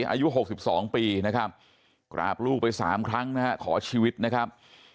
อายุ๖๒ปีนะครับกราบลูกไป๓ครั้งนะฮะขอชีวิตนะครับ